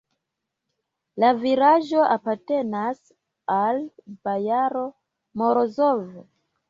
La vilaĝo apartenas al bojaro Morozov!